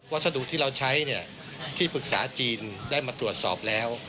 สดุที่เราใช้ที่ปรึกษาจีนได้มาตรวจสอบแล้ว